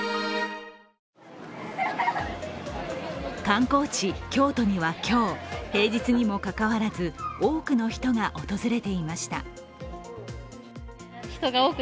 観光地・京都には今日平日にもかかわらず多くの人が訪れていました。